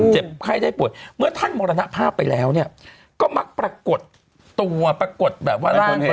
ไข้ได้ป่วยเมื่อท่านมรณภาพไปแล้วเนี่ยก็มักปรากฏตัวปรากฏแบบว่า